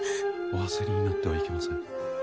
お焦りになってはいけません。